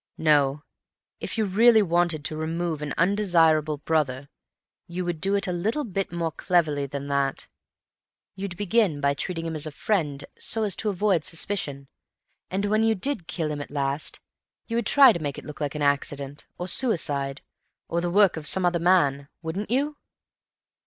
No. If you really wanted to remove an undesirable brother, you would do it a little bit more cleverly than that. You'd begin by treating him as a friend, so as to avoid suspicion, and when you did kill him at last, you would try to make it look like an accident, or suicide, or the work of some other man. Wouldn't you?"